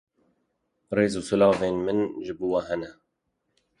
Rêz û silavên min ji bo we hene